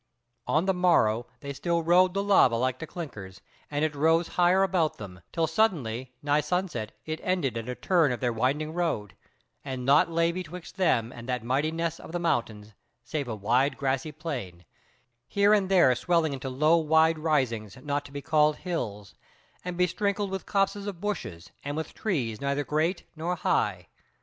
On the morrow they still rode the lava like to clinkers, and it rose higher about them, till suddenly nigh sunset it ended at a turn of their winding road, and naught lay betwixt them and that mighty ness of the mountains, save a wide grassy plain, here and there swelling into low wide risings not to be called hills, and besprinkled with copses of bushes, and with trees neither great nor high.